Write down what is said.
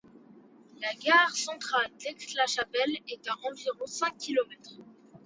La gare centrale d'Aix-la-Chapelle est à environ cinq kilomètres.